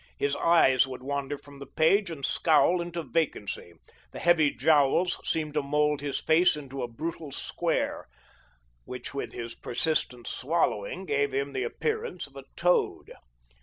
His eyes would wander from the page and scowl into vacancy. The heavy jowls seemed to mould his face into a brutal square, which with his persistent swallowing gave him the appearance of a toad.